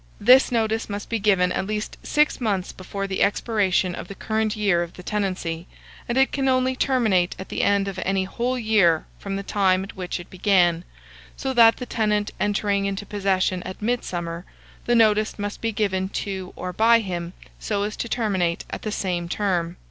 This notice must be given at least six months before the expiration of the current year of the tenancy, and it can only terminate at the end of any whole year from the time at which it began; so that the tenant entering into possession at Midsummer, the notice must be given to or by him, so as to terminate at the same term.